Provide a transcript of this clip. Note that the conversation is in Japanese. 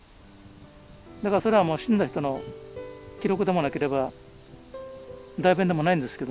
だからそれはもう死んだ人の記録でもなければ代弁でもないんですけどね。